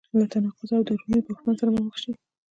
له تناقض او دروني بحران سره به مخ شي.